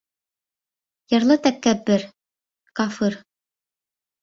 Ярлы тәкәббер, кафыр.